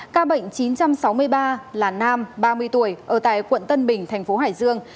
ca bệnh chín trăm sáu mươi ba là nam ba mươi tuổi ở tại quận tân bình thành phố hải dương